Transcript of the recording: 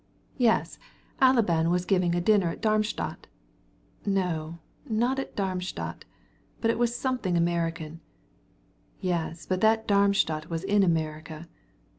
To be sure! Alabin was giving a dinner at Darmstadt; no, not Darmstadt, but something American. Yes, but then, Darmstadt was in America.